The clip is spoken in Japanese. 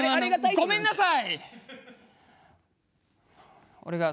ごめんなさい。